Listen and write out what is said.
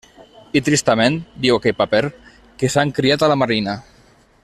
I tristament, diu aquell paper, que s'han criat a la Marina.